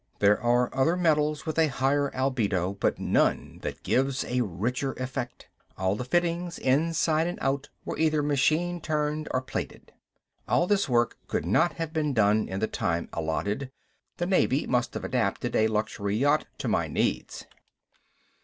There are other metals with a higher albedo, but none that give a richer effect. All the fittings, inside and out, were either machine turned or plated. All this work could not have been done in the time allotted, the Navy must have adapted a luxury yacht to my needs.